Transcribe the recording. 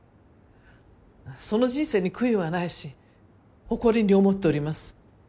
その人生に悔いはないし誇りに思っております。